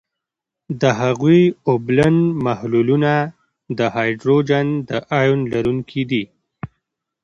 د هغوي اوبلن محلولونه د هایدروجن د آیون لرونکي دي.